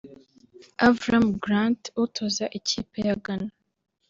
Avram Grant utoza ikipe ya Ghana